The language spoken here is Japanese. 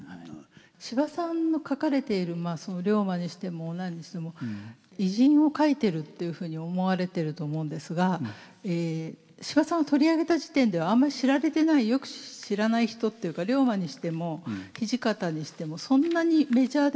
司馬さんの書かれている竜馬にしても何にしても偉人を書いてるっていうふうに思われてると思うんですが司馬さんが取り上げた時点ではあんまり知られてないよく知らない人っていうか竜馬にしても土方にしてもそんなにメジャーではなかった。